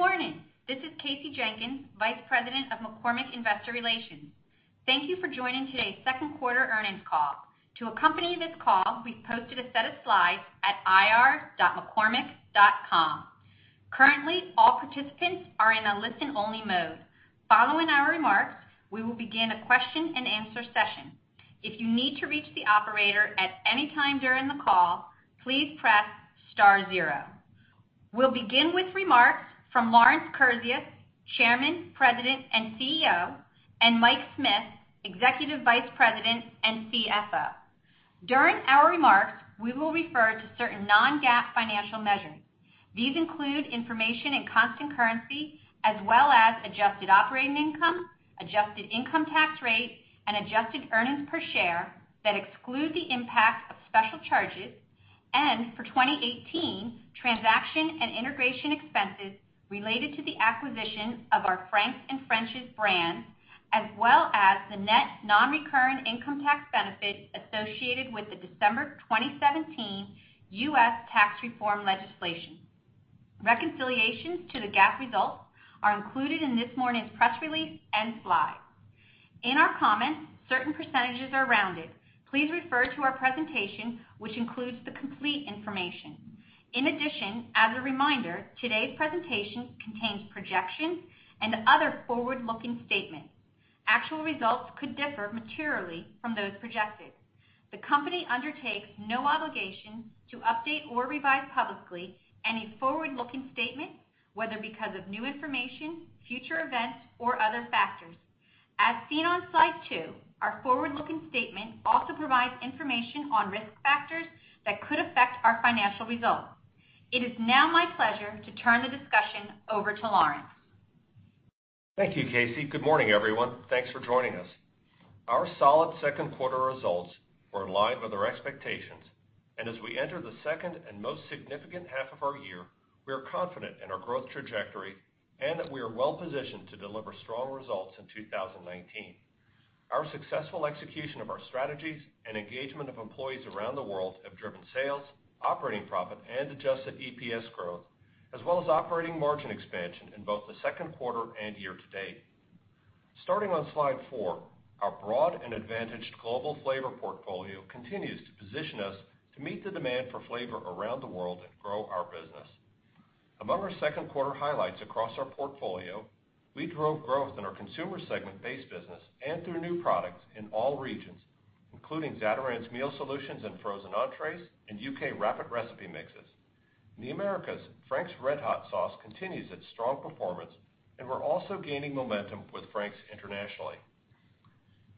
Good morning. This is Kasey Jenkins, Vice President of McCormick Investor Relations. Thank you for joining today's second quarter earnings call. To accompany this call, we've posted a set of slides at ir.mccormick.com. Currently, all participants are in a listen-only mode. Following our remarks, we will begin a question and answer session. If you need to reach the operator at any time during the call, please press star zero. We'll begin with remarks from Lawrence Kurzius, Chairman, President, and CEO, and Mike Smith, Executive Vice President and CFO. During our remarks, we will refer to certain non-GAAP financial measures. These include information in constant currency as well as adjusted operating income, adjusted income tax rate, and adjusted earnings per share that exclude the impact of special charges and, for 2018, transaction and integration expenses related to the acquisition of our Frank's and French's brands, as well as the net non-recurring income tax benefit associated with the December 2017 U.S. tax reform legislation. Reconciliations to the GAAP results are included in this morning's press release and slides. In our comments, certain percentages are rounded. Please refer to our presentation, which includes the complete information. In addition, as a reminder, today's presentation contains projections and other forward-looking statements. Actual results could differ materially from those projected. The company undertakes no obligation to update or revise publicly any forward-looking statements, whether because of new information, future events, or other factors. As seen on slide two, our forward-looking statement also provides information on risk factors that could affect our financial results. It is now my pleasure to turn the discussion over to Lawrence. Thank you, Kasey. Good morning, everyone. Thanks for joining us. Our solid second quarter results were in line with our expectations. As we enter the second and most significant half of our year, we are confident in our growth trajectory and that we are well positioned to deliver strong results in 2019. Our successful execution of our strategies and engagement of employees around the world have driven sales, operating profit, and adjusted EPS growth, as well as operating margin expansion in both the second quarter and year to date. Starting on slide four, our broad and advantaged global flavor portfolio continues to position us to meet the demand for flavor around the world and grow our business. Among our second quarter highlights across our portfolio, we drove growth in our consumer segment base business and through new products in all regions, including Zatarain's meal solutions and frozen entrees and U.K. rapid recipe mixes. In the Americas, Frank's RedHot sauce continues its strong performance, and we're also gaining momentum with Frank's internationally.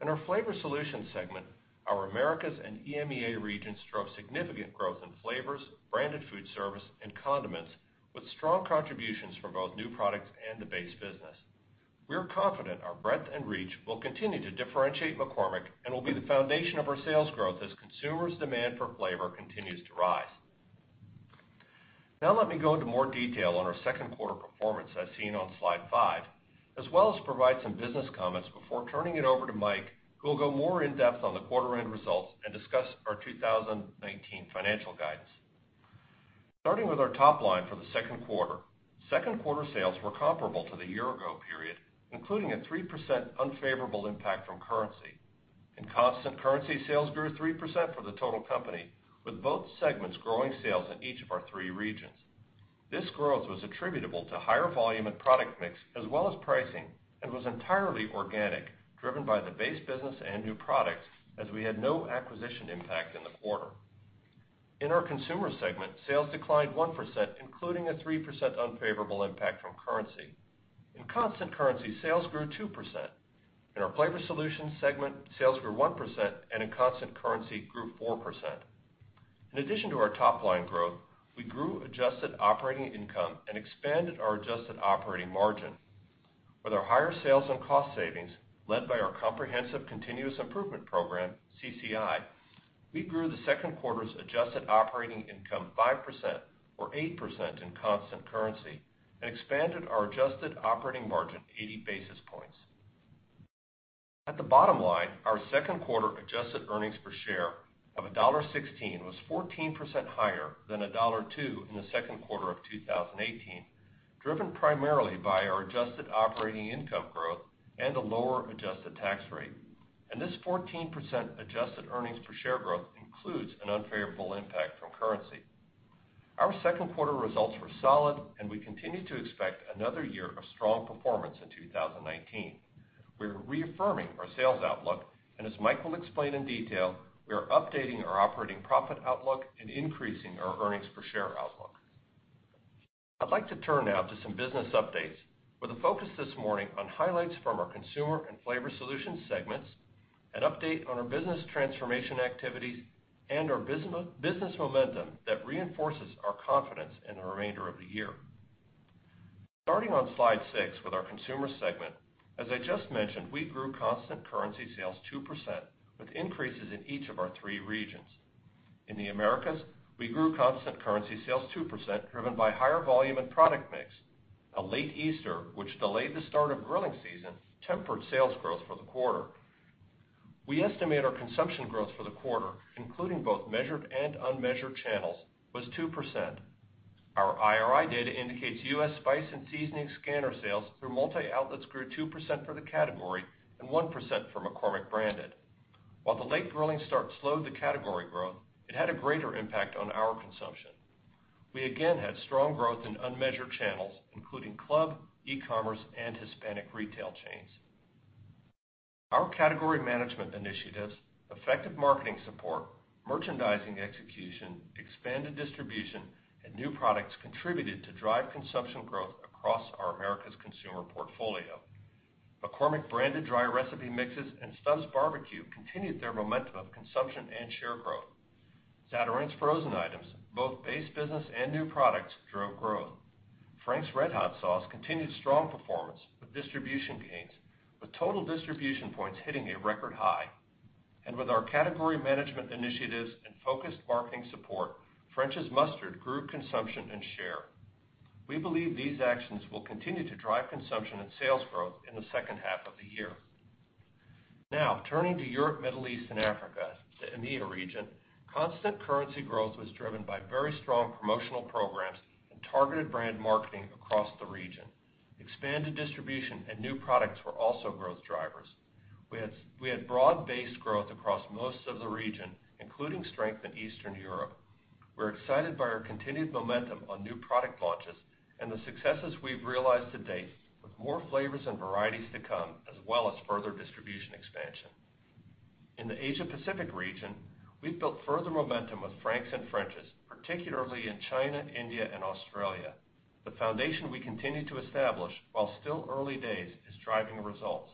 In our Flavor Solutions segment, our Americas and EMEA regions drove significant growth in flavors, branded food service, and condiments with strong contributions from both new products and the base business. We're confident our breadth and reach will continue to differentiate McCormick and will be the foundation of our sales growth as consumers' demand for flavor continues to rise. Let me go into more detail on our second quarter performance, as seen on slide five, as well as provide some business comments before turning it over to Mike, who will go more in depth on the quarter end results and discuss our 2019 financial guidance. Starting with our top line for the second quarter, second quarter sales were comparable to the year ago period, including a 3% unfavorable impact from currency. In constant currency, sales grew 3% for the total company, with both segments growing sales in each of our three regions. This growth was attributable to higher volume and product mix as well as pricing, and was entirely organic, driven by the base business and new products, as we had no acquisition impact in the quarter. In our consumer segment, sales declined 1%, including a 3% unfavorable impact from currency. In constant currency, sales grew 2%. In our Flavor Solutions segment, sales grew 1%, and in constant currency grew 4%. In addition to our top-line growth, we grew adjusted operating income and expanded our adjusted operating margin. With our higher sales and cost savings led by our comprehensive continuous improvement program, CCI, we grew the second quarter's adjusted operating income 5%, or 8% in constant currency, and expanded our adjusted operating margin 80 basis points. At the bottom line, our second quarter adjusted earnings per share of $1.16 was 14% higher than $1.02 in the second quarter of 2018, driven primarily by our adjusted operating income growth and a lower adjusted tax rate. This 14% adjusted earnings per share growth includes an unfavorable impact from currency. Our second quarter results were solid, and we continue to expect another year of strong performance in 2019. We're reaffirming our sales outlook, as Mike will explain in detail, we are updating our operating profit outlook and increasing our earnings per share outlook. I'd like to turn now to some business updates with a focus this morning on highlights from our consumer and Flavor Solutions segments, an update on our business transformation activities, and our business momentum that reinforces our confidence in the remainder of the year. Starting on slide six with our consumer segment, as I just mentioned, we grew constant currency sales 2% with increases in each of our three regions. In the Americas, we grew constant currency sales 2%, driven by higher volume and product mix. A late Easter, which delayed the start of grilling season, tempered sales growth for the quarter. We estimate our consumption growth for the quarter, including both measured and unmeasured channels, was 2%. Our IRI data indicates U.S. spice and seasoning scanner sales through multi-outlets grew 2% for the category and 1% for McCormick branded. While the late grilling start slowed the category growth, it had a greater impact on our consumption. We again had strong growth in unmeasured channels, including club, e-commerce, and Hispanic retail chains. Our category management initiatives, effective marketing support, merchandising execution, expanded distribution, and new products contributed to drive consumption growth across our Americas consumer portfolio. McCormick branded dry recipe mixes and Stubb's Bar-B-Q continued their momentum of consumption and share growth. Zatarain's frozen items, both base business and new products, drove growth. Frank's RedHot sauce continued strong performance with distribution gains, with total distribution points hitting a record high. With our category management initiatives and focused marketing support, French's Mustard grew consumption and share. We believe these actions will continue to drive consumption and sales growth in the second half of the year. Now, turning to Europe, Middle East, and Africa, the EMEA region, constant currency growth was driven by very strong promotional programs and targeted brand marketing across the region. Expanded distribution and new products were also growth drivers. We had broad-based growth across most of the region, including strength in Eastern Europe. We're excited by our continued momentum on new product launches and the successes we've realized to date, with more flavors and varieties to come, as well as further distribution expansion. In the Asia Pacific region, we've built further momentum with Frank's and French's, particularly in China, India, and Australia. The foundation we continue to establish, while still early days, is driving results.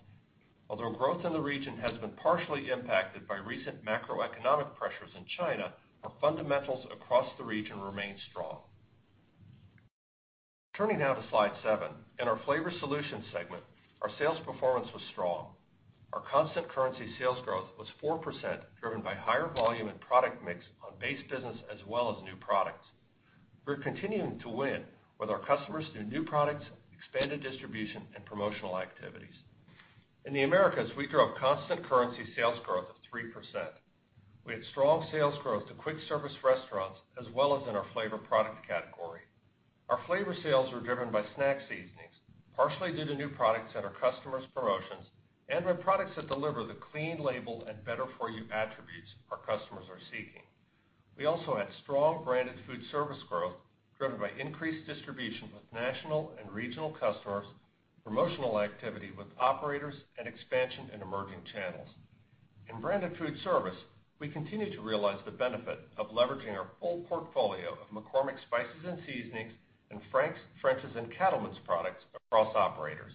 Although growth in the region has been partially impacted by recent macroeconomic pressures in China, our fundamentals across the region remain strong. Turning now to slide seven. In our Flavor Solutions segment, our sales performance was strong. Our constant currency sales growth was 4%, driven by higher volume and product mix on base business as well as new products. We're continuing to win with our customers through new products, expanded distribution, and promotional activities. In the Americas, we drove constant currency sales growth of 3%. We had strong sales growth to quick service restaurants, as well as in our flavor product category. Our flavor sales were driven by snack seasonings, partially due to new products at our customers' promotions and with products that deliver the clean label and better-for-you attributes our customers are seeking. We also had strong branded food service growth driven by increased distribution with national and regional customers, promotional activity with operators, and expansion in emerging channels. In branded food service, we continue to realize the benefit of leveraging our full portfolio of McCormick spices and seasonings, Frank's, French's, and Cattlemen's products across operators.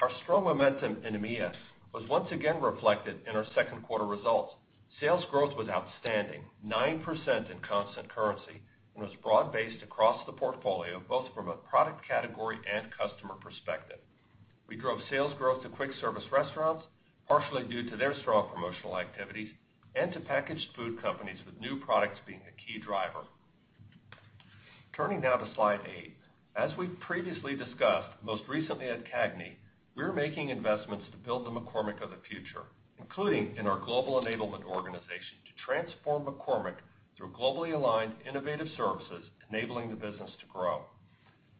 Our strong momentum in EMEA was once again reflected in our second quarter results. Sales growth was outstanding, 9% in constant currency, and was broad-based across the portfolio, both from a product category and customer perspective. We drove sales growth to quick service restaurants, partially due to their strong promotional activities, and to packaged food companies, with new products being a key driver. Turning now to slide eight. As we've previously discussed, most recently at CAGNY, we're making investments to build the McCormick of the future, including in our Global Enablement organization, to transform McCormick through globally aligned innovative services, enabling the business to grow.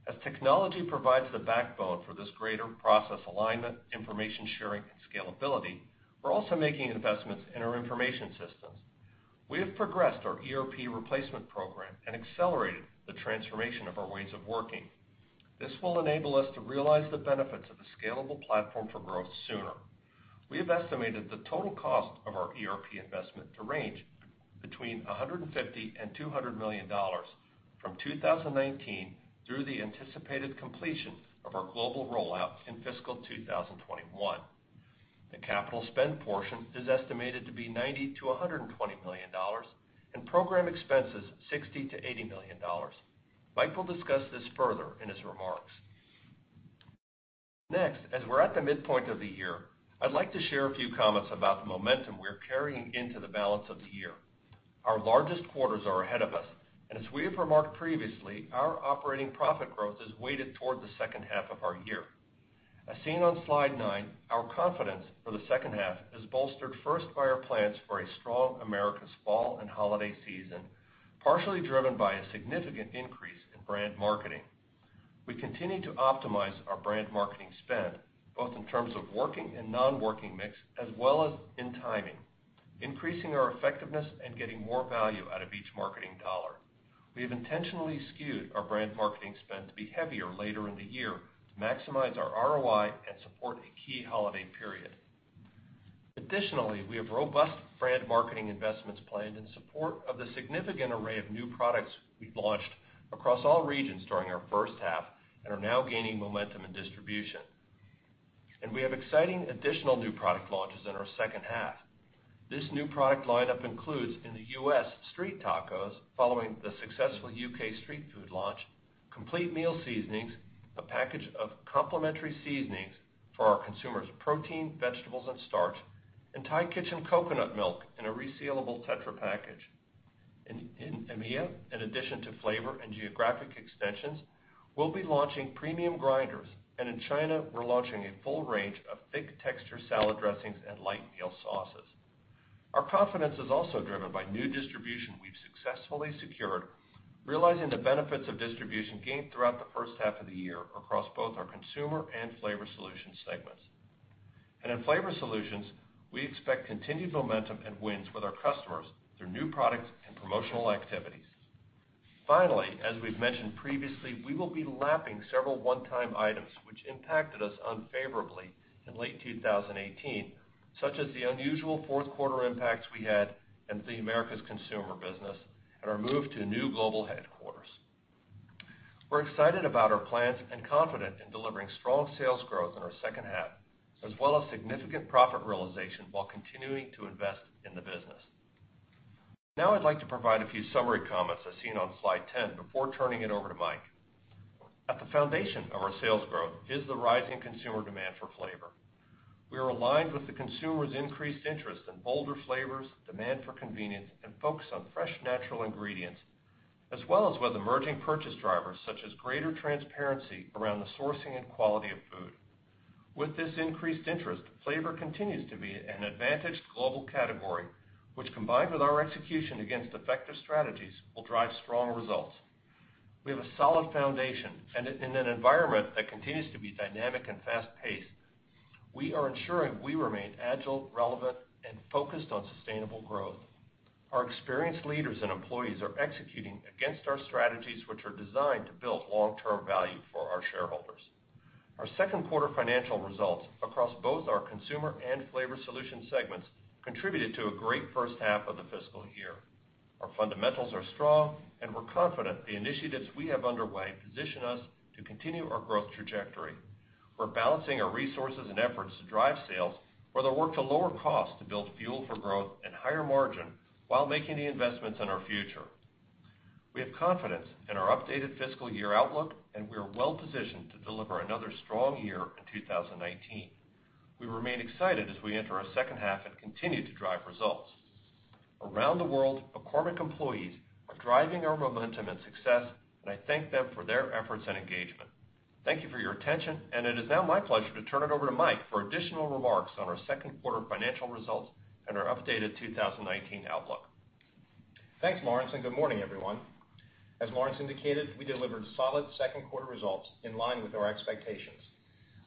As technology provides the backbone for this greater process alignment, information sharing, and scalability, we're also making investments in our information systems. We have progressed our ERP replacement program and accelerated the transformation of our ways of working. This will enable us to realize the benefits of a scalable platform for growth sooner. We have estimated the total cost of our ERP investment to range between $150 million and $200 million from 2019 through the anticipated completion of our global rollout in fiscal 2021. The capital spend portion is estimated to be $90 million-$120 million and program expenses $60 million-$80 million. Mike will discuss this further in his remarks. As we're at the midpoint of the year, I'd like to share a few comments about the momentum we're carrying into the balance of the year. Our largest quarters are ahead of us, as we have remarked previously, our operating profit growth is weighted towards the second half of our year. As seen on slide nine, our confidence for the second half is bolstered first by our plans for a strong Americas fall and holiday season, partially driven by a significant increase in brand marketing. We continue to optimize our brand marketing spend, both in terms of working and non-working mix, as well as in timing, increasing our effectiveness and getting more value out of each marketing dollar. We have intentionally skewed our brand marketing spend to be heavier later in the year to maximize our ROI and support a key holiday period. We have robust brand marketing investments planned in support of the significant array of new products we've launched across all regions during our first half and are now gaining momentum and distribution. We have exciting additional new product launches in our second half. This new product lineup includes, in the U.S., Street Tacos, following the successful U.K. street food launch, Complete Meal Seasonings, a package of complementary seasonings for our consumers' protein, vegetables, and starch, and Thai Kitchen Coconut Milk in a resealable tetra package. In EMEA, in addition to flavor and geographic extensions, we'll be launching premium grinders, and in China, we're launching a full range of thick texture salad dressings and light meal sauces. Our confidence is also driven by new distribution we've successfully secured, realizing the benefits of distribution gained throughout the first half of the year across both our Consumer and Flavor Solutions segments. In Flavor Solutions, we expect continued momentum and wins with our customers through new products and promotional activities. As we've mentioned previously, we will be lapping several one-time items which impacted us unfavorably in late 2018, such as the unusual fourth quarter impacts we had in the Americas Consumer business, and our move to a new global headquarters. We're excited about our plans and confident in delivering strong sales growth in our second half, as well as significant profit realization while continuing to invest in the business. I'd like to provide a few summary comments as seen on slide 10 before turning it over to Mike. At the foundation of our sales growth is the rising consumer demand for flavor. We are aligned with the consumer's increased interest in bolder flavors, demand for convenience, and focus on fresh, natural ingredients, as well as with emerging purchase drivers such as greater transparency around the sourcing and quality of food. With this increased interest, flavor continues to be an advantaged global category, which combined with our execution against effective strategies, will drive strong results. We have a solid foundation, and in an environment that continues to be dynamic and fast-paced, we are ensuring we remain agile, relevant, and focused on sustainable growth. Our experienced leaders and employees are executing against our strategies, which are designed to build long-term value for our shareholders. Our second quarter financial results across both our Consumer and Flavor Solutions segments contributed to a great first half of the fiscal year. Our fundamentals are strong. We're confident the initiatives we have underway position us to continue our growth trajectory. We're balancing our resources and efforts to drive sales while they work to lower costs to build fuel for growth and higher margin, while making the investments in our future. We have confidence in our updated fiscal year outlook. We are well positioned to deliver another strong year in 2019. We remain excited as we enter our second half and continue to drive results. Around the world, McCormick employees are driving our momentum and success. I thank them for their efforts and engagement. Thank you for your attention. It is now my pleasure to turn it over to Mike for additional remarks on our second quarter financial results and our updated 2019 outlook. Thanks, Lawrence. Good morning, everyone. As Lawrence indicated, we delivered solid second quarter results in line with our expectations.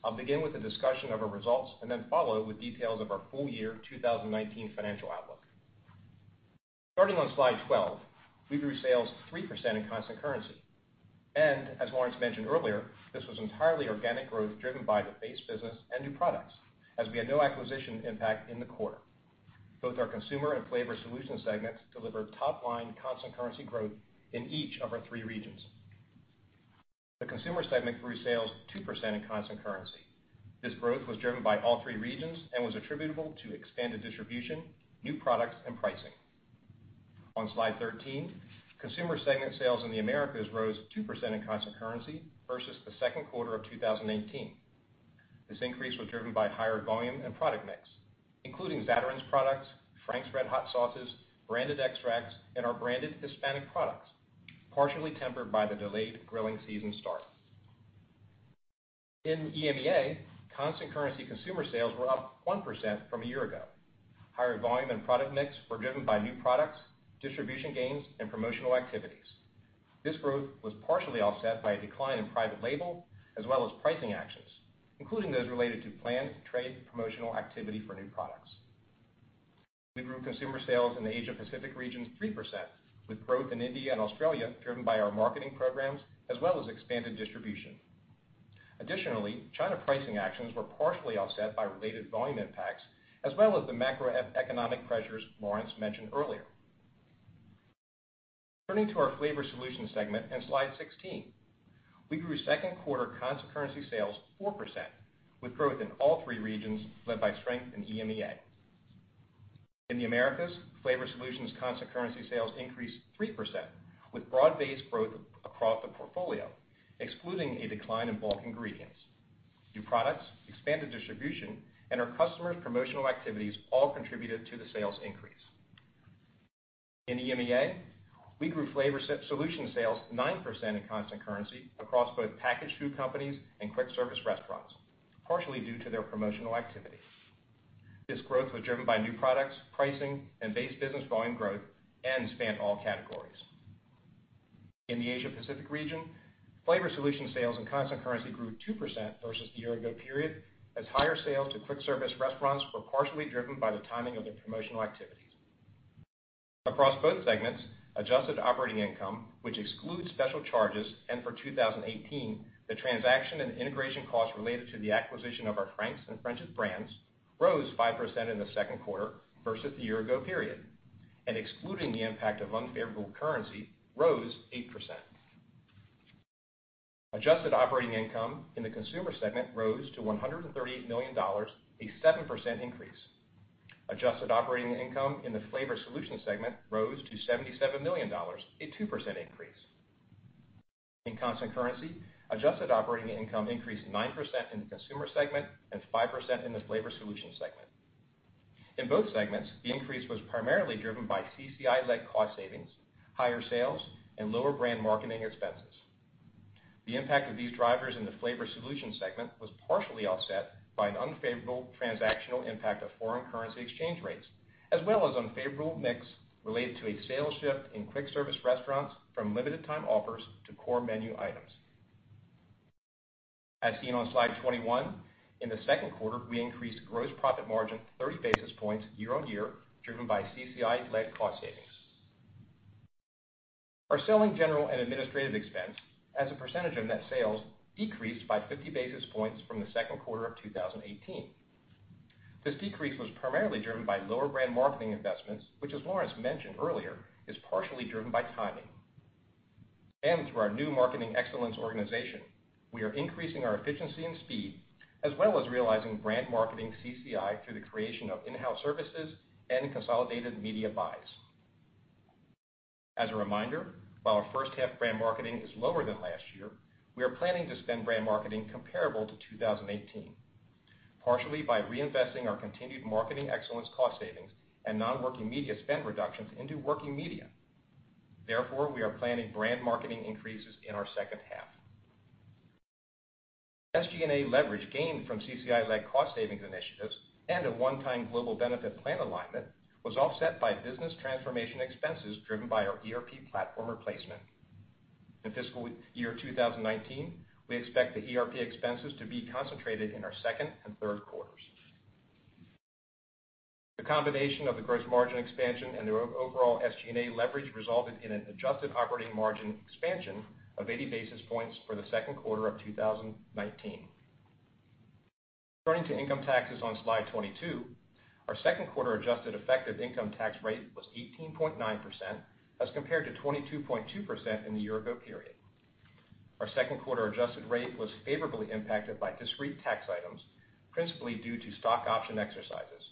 I'll begin with a discussion of our results and then follow with details of our full year 2019 financial outlook. Starting on slide 12, we grew sales 3% in constant currency. As Lawrence mentioned earlier, this was entirely organic growth driven by the base business and new products, as we had no acquisition impact in the quarter. Both our Consumer and Flavor Solutions segments delivered top-line constant currency growth in each of our three regions. The Consumer segment grew sales 2% in constant currency. This growth was driven by all three regions and was attributable to expanded distribution, new products, and pricing. On slide 13, Consumer segment sales in the Americas rose 2% in constant currency versus the second quarter of 2018. This increase was driven by higher volume and product mix, including Zatarain's products, Frank's RedHot sauces, branded extracts, and our branded Hispanic products, partially tempered by the delayed grilling season start. In EMEA, constant currency consumer sales were up 1% from a year ago. Higher volume and product mix were driven by new products, distribution gains, and promotional activities. This growth was partially offset by a decline in private label as well as pricing actions, including those related to planned trade promotional activity for new products. We grew consumer sales in the Asia Pacific region 3%, with growth in India and Australia driven by our marketing programs as well as expanded distribution. Additionally, China pricing actions were partially offset by related volume impacts as well as the macroeconomic pressures Lawrence mentioned earlier. Turning to our Flavor Solutions segment on slide 16, we grew second quarter constant currency sales 4%, with growth in all three regions led by strength in EMEA. In the Americas, Flavor Solutions constant currency sales increased 3%, with broad-based growth across the portfolio, excluding a decline in bulk ingredients. New products, expanded distribution, and our customers' promotional activities all contributed to the sales increase. In EMEA, we grew Flavor Solutions sales 9% in constant currency across both packaged food companies and quick service restaurants, partially due to their promotional activity. This growth was driven by new products, pricing, and base business volume growth, and spanned all categories. In the Asia Pacific region, Flavor Solutions sales in constant currency grew 2% versus the year ago period, as higher sales to quick service restaurants were partially driven by the timing of their promotional activities. Across both segments, adjusted operating income, which excludes special charges and for 2018, the transaction and integration costs related to the acquisition of our Frank's and French's brands, rose 5% in the second quarter versus the year ago period, and excluding the impact of unfavorable currency, rose 8%. Adjusted operating income in the Consumer segment rose to $138 million, a 7% increase. Adjusted operating income in the Flavor Solutions segment rose to $77 million, a 2% increase. In constant currency, adjusted operating income increased 9% in the Consumer segment and 5% in the Flavor Solutions segment. In both segments, the increase was primarily driven by CCI-led cost savings, higher sales, and lower brand marketing expenses. The impact of these drivers in the Flavor Solutions segment was partially offset by an unfavorable transactional impact of foreign currency exchange rates, as well as unfavorable mix related to a sales shift in quick service restaurants from limited time offers to core menu items. As seen on slide 21, in the second quarter, we increased gross profit margin 30 basis points year-on-year, driven by CCI-led cost savings. Our selling general and administrative expense as a percentage of net sales decreased by 50 basis points from the second quarter of 2018. This decrease was primarily driven by lower brand marketing investments, which as Lawrence mentioned earlier, is partially driven by timing. Through our new marketing excellence organization, we are increasing our efficiency and speed, as well as realizing brand marketing CCI through the creation of in-house services and consolidated media buys. As a reminder, while our first half brand marketing is lower than last year, we are planning to spend brand marketing comparable to 2018, partially by reinvesting our continued marketing excellence cost savings and non-working media spend reductions into working media. Therefore, we are planning brand marketing increases in our second half. SG&A leverage gained from CCI-led cost savings initiatives and a one-time global benefit plan alignment was offset by business transformation expenses driven by our ERP platform replacement. In fiscal year 2019, we expect the ERP expenses to be concentrated in our second and third quarters. The combination of the gross margin expansion and the overall SG&A leverage resulted in an adjusted operating margin expansion of 80 basis points for the second quarter of 2019. Turning to income taxes on slide 22, our second quarter adjusted effective income tax rate was 18.9% as compared to 22.2% in the year ago period. Our second quarter adjusted rate was favorably impacted by discrete tax items, principally due to stock option exercises.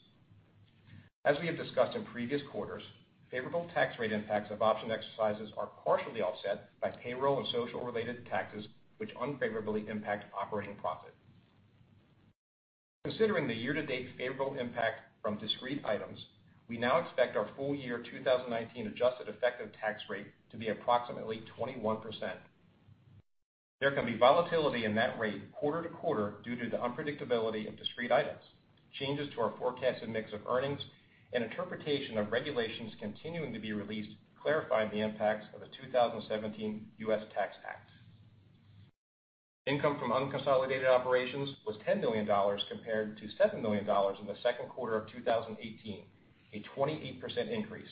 As we have discussed in previous quarters, favorable tax rate impacts of option exercises are partially offset by payroll and social related taxes, which unfavorably impact operating profit. Considering the year to date favorable impact from discrete items, we now expect our full year 2019 adjusted effective tax rate to be approximately 21%. There can be volatility in that rate quarter to quarter due to the unpredictability of discrete items, changes to our forecasted mix of earnings, and interpretation of regulations continuing to be released clarifying the impacts of the 2017 U.S. Tax Act. Income from unconsolidated operations was $10 million compared to $7 million in the second quarter of 2018, a 28% increase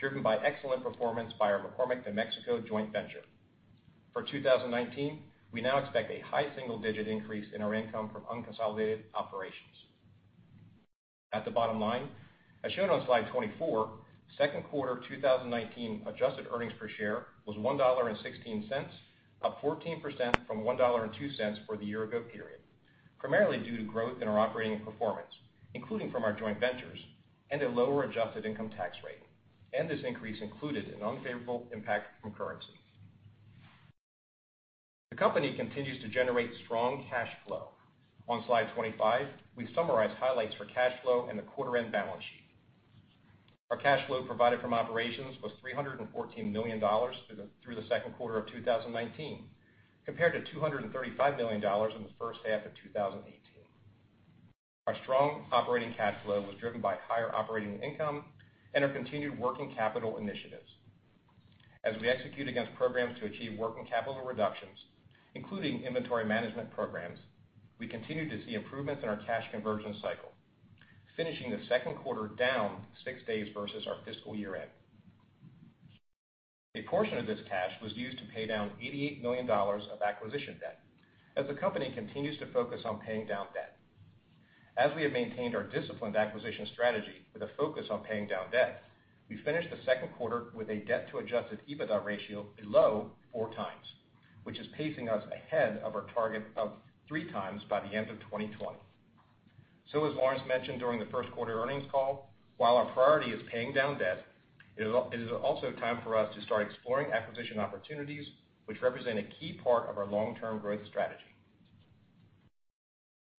driven by excellent performance by our McCormick de Mexico joint venture. For 2019, we now expect a high single-digit increase in our income from unconsolidated operations. At the bottom line, as shown on slide 24, second quarter 2019 adjusted earnings per share was $1.16, up 14% from $1.02 for the year ago period, primarily due to growth in our operating performance, including from our joint ventures, and a lower adjusted income tax rate. This increase included an unfavorable impact from currency. The company continues to generate strong cash flow. On slide 25, we summarize highlights for cash flow and the quarter end balance sheet. Our cash flow provided from operations was $314 million through the second quarter of 2019, compared to $235 million in the first half of 2018. Our strong operating cash flow was driven by higher operating income and our continued working capital initiatives. As we execute against programs to achieve working capital reductions, including inventory management programs, we continue to see improvements in our cash conversion cycle, finishing the second quarter down six days versus our fiscal year end. A portion of this cash was used to pay down $88 million of acquisition debt as the company continues to focus on paying down debt. As we have maintained our disciplined acquisition strategy with a focus on paying down debt, we finished the second quarter with a debt to adjusted EBITDA ratio below 4x, which is pacing us ahead of our target of 3x by the end of 2020. As Lawrence mentioned during the first quarter earnings call, while our priority is paying down debt, it is also time for us to start exploring acquisition opportunities, which represent a key part of our long-term growth strategy.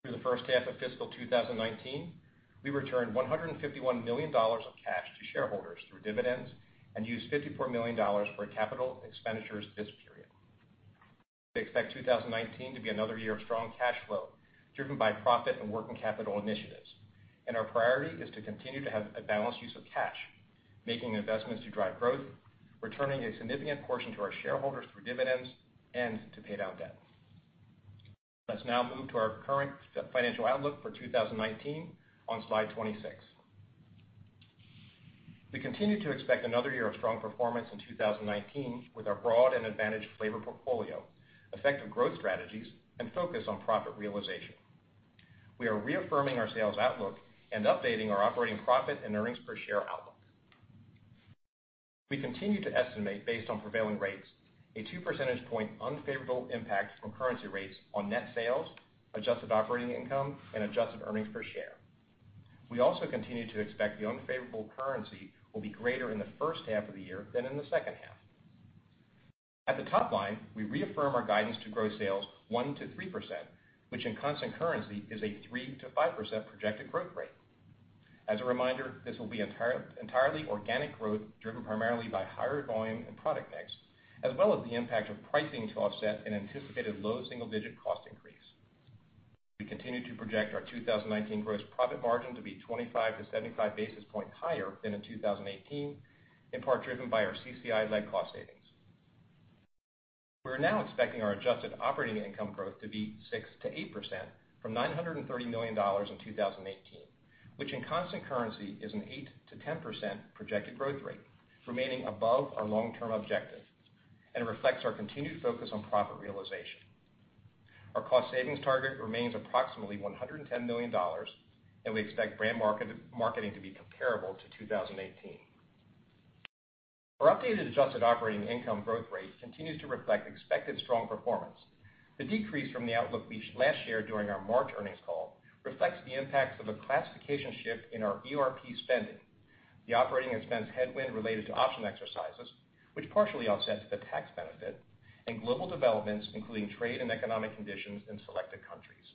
Through the first half of fiscal 2019, we returned $151 million of cash to shareholders through dividends and used $54 million for capital expenditures this period. We expect 2019 to be another year of strong cash flow driven by profit and working capital initiatives, and our priority is to continue to have a balanced use of cash, making investments to drive growth, returning a significant portion to our shareholders through dividends, and to pay down debt. Let's now move to our current financial outlook for 2019 on slide 26. We continue to expect another year of strong performance in 2019 with our broad and advantaged flavor portfolio, effective growth strategies, and focus on profit realization. We are reaffirming our sales outlook and updating our operating profit and earnings per share outlook. We continue to estimate, based on prevailing rates, a two percentage point unfavorable impact from currency rates on net sales, adjusted operating income, and adjusted earnings per share. We also continue to expect the unfavorable currency will be greater in the first half of the year than in the second half. At the top line, we reaffirm our guidance to grow sales 1%-3%, which in constant currency is a 3%-5% projected growth rate. As a reminder, this will be entirely organic growth, driven primarily by higher volume and product mix, as well as the impact of pricing to offset an anticipated low single-digit cost increase. We continue to project our 2019 gross profit margin to be 25-75 basis points higher than in 2018, in part driven by our CCI-led cost savings. We're now expecting our adjusted operating income growth to be 6%-8% from $930 million in 2018, which in constant currency is an 8%-10% projected growth rate, remaining above our long-term objective and reflects our continued focus on profit realization. Our cost savings target remains approximately $110 million, and we expect brand marketing to be comparable to 2018. Our updated adjusted operating income growth rate continues to reflect expected strong performance. The decrease from the outlook we reached last year during our March earnings call reflects the impacts of a classification shift in our ERP spending, the operating expense headwind related to option exercises, which partially offsets the tax benefit, and global developments, including trade and economic conditions in selected countries.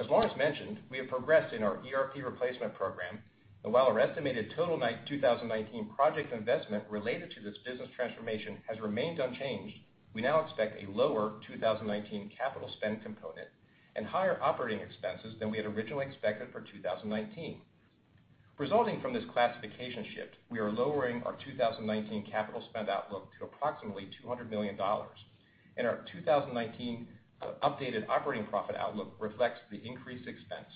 As Lawrence mentioned, we have progressed in our ERP replacement program, and while our estimated total 2019 project investment related to this business transformation has remained unchanged, we now expect a lower 2019 capital spend component and higher operating expenses than we had originally expected for 2019. Resulting from this classification shift, we are lowering our 2019 capital spend outlook to approximately $200 million and our 2019 updated operating profit outlook reflects the increased expense.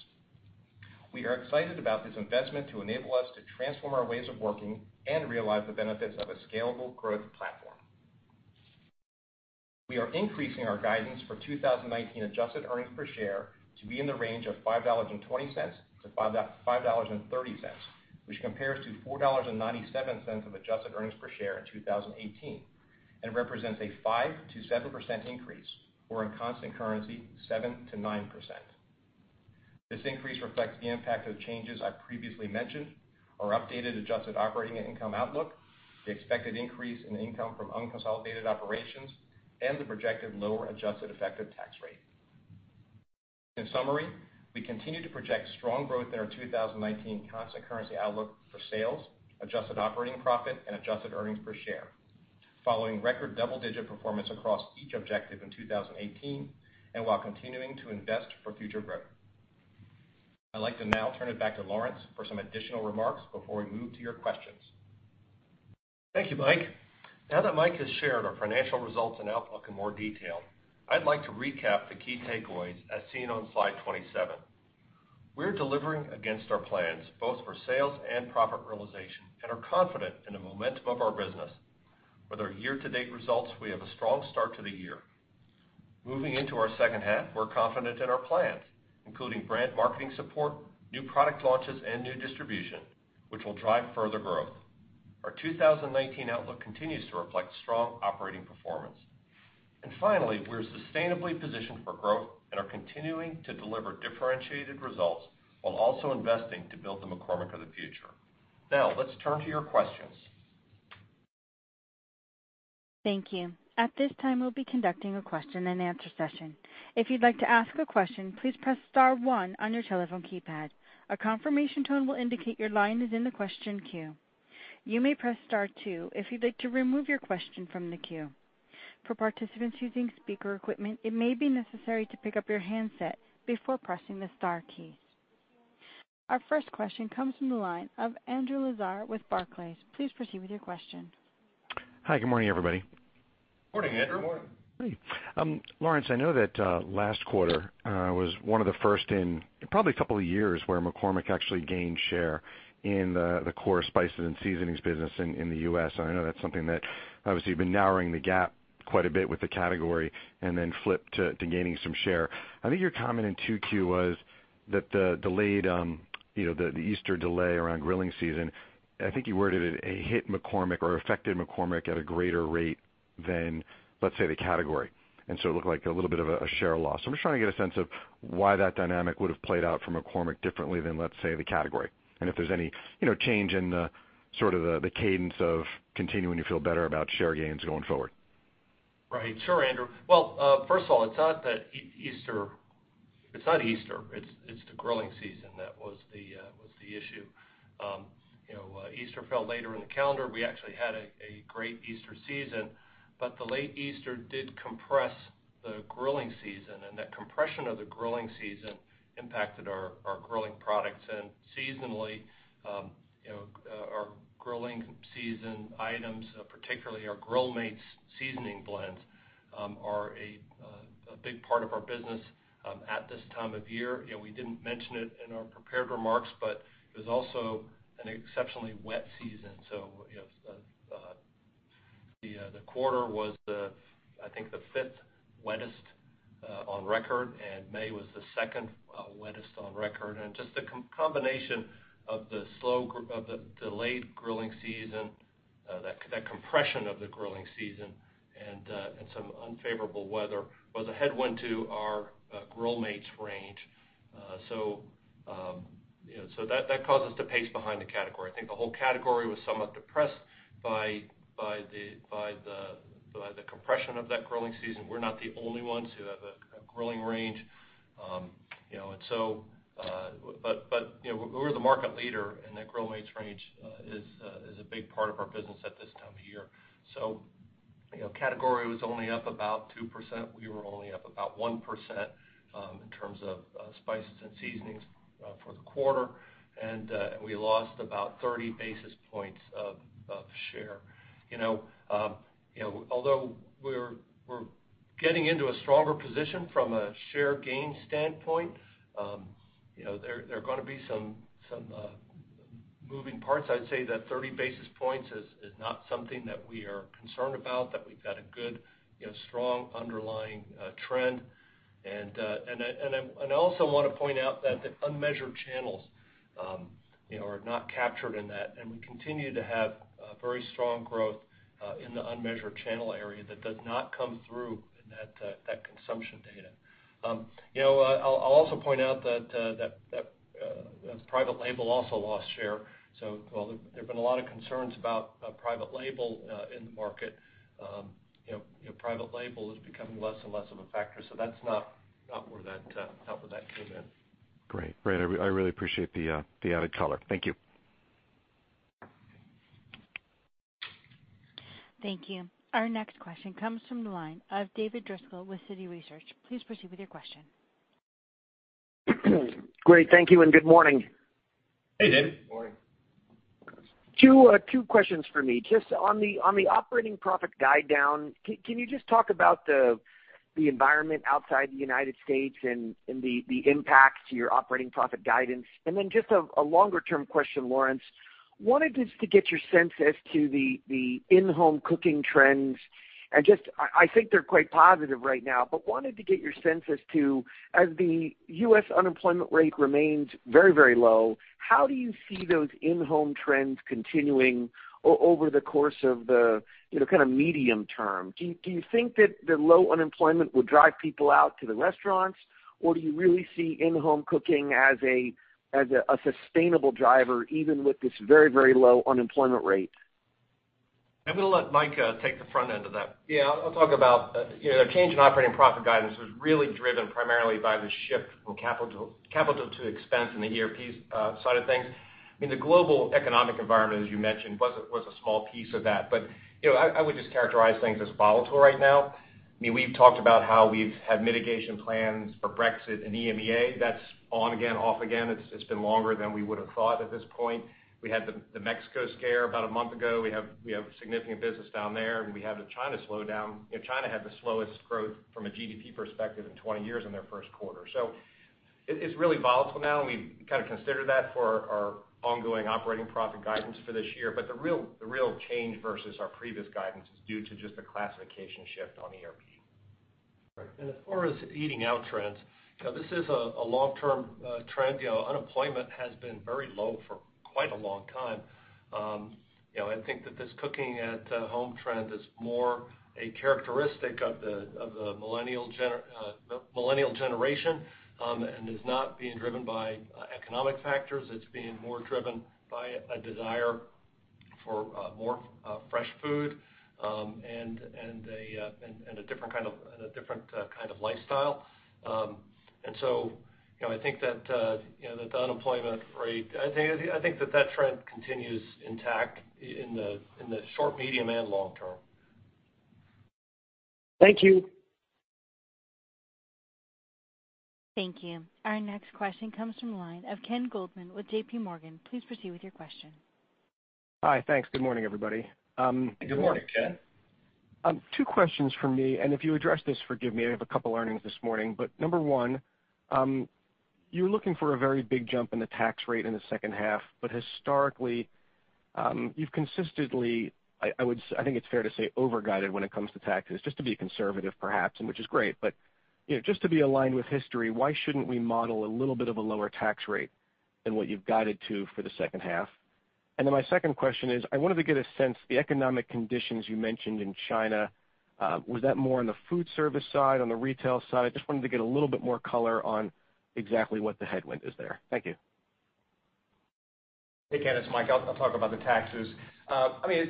We are excited about this investment to enable us to transform our ways of working and realize the benefits of a scalable growth platform. We are increasing our guidance for 2019 adjusted earnings per share to be in the range of $5.20-$5.30, which compares to $4.97 of adjusted earnings per share in 2018 and represents a 5%-7% increase, or in constant currency, 7%-9%. This increase reflects the impact of changes I previously mentioned, our updated adjusted operating income outlook, the expected increase in income from unconsolidated operations, and the projected lower adjusted effective tax rate. In summary, we continue to project strong growth in our 2019 constant currency outlook for sales, adjusted operating profit, and adjusted earnings per share, following record double-digit performance across each objective in 2018 and while continuing to invest for future growth. I'd like to now turn it back to Lawrence for some additional remarks before we move to your questions. Thank you, Mike. Now that Mike has shared our financial results and outlook in more detail, I'd like to recap the key takeaways as seen on slide 27. We're delivering against our plans, both for sales and profit realization, and are confident in the momentum of our business. With our year-to-date results, we have a strong start to the year. Moving into our second half, we're confident in our plans, including brand marketing support, new product launches, and new distribution, which will drive further growth. Our 2019 outlook continues to reflect strong operating performance. Finally, we're sustainably positioned for growth and are continuing to deliver differentiated results while also investing to build the McCormick of the future. Let's turn to your questions. Thank you. At this time, we'll be conducting a question and answer session. If you'd like to ask a question, please press star one on your telephone keypad. A confirmation tone will indicate your line is in the question queue. You may press star two if you'd like to remove your question from the queue. For participants using speaker equipment, it may be necessary to pick up your handset before pressing the star key. Our first question comes from the line of Andrew Lazar with Barclays. Please proceed with your question. Hi, good morning, everybody. Morning, Andrew. Morning. Lawrence, I know that last quarter was one of the first in probably a couple of years where McCormick actually gained share in the core spices and seasonings business in the U.S. I know that's something that obviously you've been narrowing the gap quite a bit with the category and then flipped to gaining some share. I think your comment in 2Q was that the Easter delay around grilling season, I think you worded it, "hit McCormick or affected McCormick at a greater rate than, let's say, the category." It looked like a little bit of a share loss. I'm just trying to get a sense of why that dynamic would've played out for McCormick differently than, let's say, the category. If there's any change in the cadence of continuing to feel better about share gains going forward. Right. Sure, Andrew. Well, first of all, it's not Easter, it's the grilling season that was the issue. Easter fell later in the calendar. We actually had a great Easter season. The late Easter did compress the grilling season, and that compression of the grilling season impacted our grilling products. Seasonally, our grilling season items, particularly our Grill Mates seasoning blends, are a big part of our business at this time of year. We didn't mention it in our prepared remarks, but it was also an exceptionally wet season. The quarter was, I think, the fifth wettest on record, and May was the second wettest on record. Just the combination of the delayed grilling season and the compression of the grilling season and some unfavorable weather was a headwind to our Grill Mates range. That caused us to pace behind the category. I think the whole category was somewhat depressed by the compression of that grilling season. We're not the only ones who have a grilling range. We're the market leader, and that Grill Mates range is a big part of our business at this time of year. Category was only up about 2%, we were only up about 1% in terms of spices and seasonings for the quarter, and we lost about 30 basis points of share. Although we're getting into a stronger position from a share gain standpoint, there are going to be some moving parts. I'd say that 30 basis points is not something that we are concerned about, that we've got a good, strong underlying trend. I also want to point out that the unmeasured channels are not captured in that. We continue to have very strong growth in the unmeasured channel area that does not come through in that consumption data. I'll also point out that private label also lost share. While there's been a lot of concerns about private label in the market, private label is becoming less and less of a factor. That's not where that came in. Great. Brad, I really appreciate the added color. Thank you. Thank you. Our next question comes from the line of David Driscoll with Citi Research. Please proceed with your question. Great. Thank you and good morning.. Hey, David. Good morning. Two questions from me. Just on the operating profit guide down, can you just talk about the environment outside the U.S. and the impact to your operating profit guidance? Just a longer-term question, Lawrence, wanted just to get your sense as to the in-home cooking trends and just, I think they're quite positive right now, but wanted to get your sense as to, as the U.S. unemployment rate remains very low, how do you see those in-home trends continuing over the course of the medium-term? Do you think that the low unemployment will drive people out to the restaurants, or do you really see in-home cooking as a sustainable driver even with this very low unemployment rate? I'm going to let Mike take the front end of that. I'll talk about the change in operating profit guidance was really driven primarily by the shift from capital to expense in the ERP side of things. The global economic environment, as you mentioned, was a small piece of that. I would just characterize things as volatile right now. We've talked about how we've had mitigation plans for Brexit and EMEA. That's on again, off again. It's been longer than we would've thought at this point. We had the Mexico scare about a month ago. We have significant business down there, and we have the China slowdown. China had the slowest growth from a GDP perspective in 20 years in their first quarter. It's really volatile now, and we've kind of considered that for our ongoing operating profit guidance for this year. The real change versus our previous guidance is due to just the classification shift on ERP. Right. As far as eating out trends, this is a long-term trend. Unemployment has been very low for quite a long time. I think that this cooking at home trend is more a characteristic of the millennial generation, and is not being driven by economic factors. It's being more driven by a desire for more fresh food, and a different kind of lifestyle. I think that the unemployment rate, I think that trend continues intact in the short, medium, and long-term. Thank you. Thank you. Our next question comes from the line of Ken Goldman with JPMorgan. Please proceed with your question. Hi, thanks. Good morning, everybody. Good morning, Ken. Two questions from me, if you address this, forgive me, I have a couple earnings this morning. Number one, you're looking for a very big jump in the tax rate in the second half, but historically, you've consistently, I think it's fair to say, over-guided when it comes to taxes, just to be conservative perhaps, and which is great. Just to be aligned with history, why shouldn't we model a little bit of a lower tax rate than what you've guided to for the second half? My second question is, I wanted to get a sense, the economic conditions you mentioned in China, was that more on the food service side, on the retail side? I just wanted to get a little bit more color on exactly what the headwind is there. Thank you. Hey, Ken, it's Mike. I'll talk about the taxes.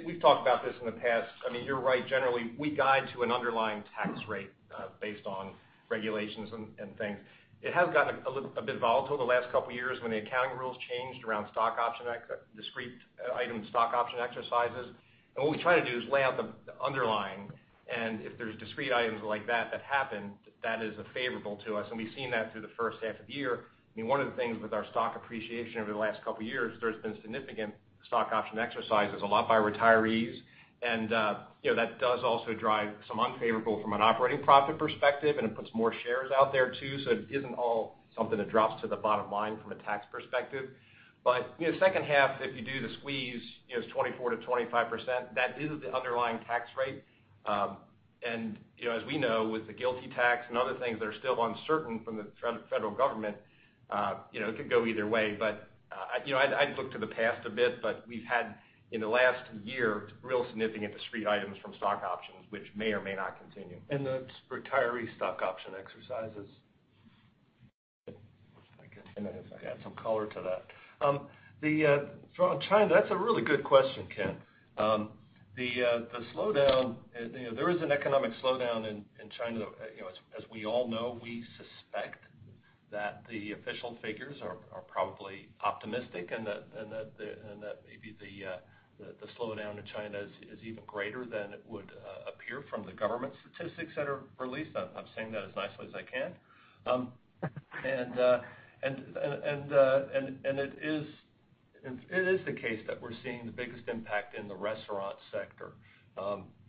We've talked about this in the past. You're right, generally, we guide to an underlying tax rate based on regulations and things. It has gotten a bit volatile the last couple of years when the accounting rules changed around discrete item stock option exercises. What we try to do is lay out the underlying, and if there's discrete items like that that happen, that is favorable to us, and we've seen that through the first half of the year. One of the things with our stock appreciation over the last couple of years, there's been significant stock option exercises, a lot by retirees. That does also drive some unfavorable from an operating profit perspective, and it puts more shares out there too. It isn't all something that drops to the bottom line from a tax perspective. Second half, if you do the squeeze, it's 24%-25%. That is the underlying tax rate. As we know, with the GILTI tax and other things that are still uncertain from the federal government, it could go either way. I'd look to the past a bit, but we've had, in the last year, real significant street items from stock options, which may or may not continue. The retiree stock option exercises. I guess I might as well add some color to that. On China, that's a really good question, Ken. There is an economic slowdown in China, as we all know. We suspect that the official figures are probably optimistic, and that maybe the slowdown in China is even greater than it would appear from the government statistics that are released. I'm saying that as nicely as I can. It is the case that we're seeing the biggest impact in the restaurant sector.